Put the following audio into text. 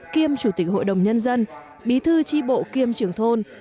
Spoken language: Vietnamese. kiêm chủ tịch hội đồng nhân dân bí thư tri bộ kiêm trưởng thôn